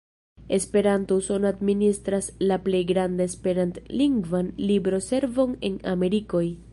Esperanto-Usono administras la plej grandan Esperant-lingvan libro-servon en Amerikoj.